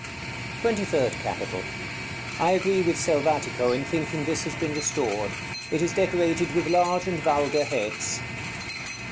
TWENTY THIRD CAPITAL. I agree with Selvatico in thinking this has been restored. It is decorated with large and vulgar heads.